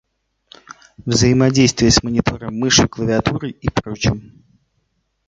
Взаимодействие с монитором, мышью, клавиатурой и прочим